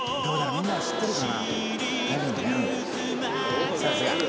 みんなは知ってるかな